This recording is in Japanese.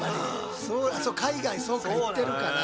そう海外そうか行ってるから。